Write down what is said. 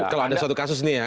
kalau ada suatu kasus nih ya